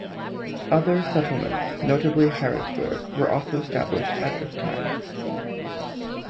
Other settlements, notably Harrodsburg, were also established at this time.